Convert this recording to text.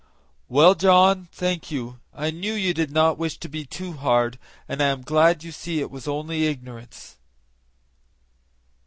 "Well, John, thank you. I knew you did not wish to be too hard, and I am glad you see it was only ignorance."